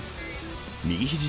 右ひじ